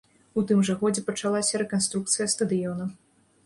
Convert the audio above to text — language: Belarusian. У тым жа годзе пачалася рэканструкцыя стадыёна.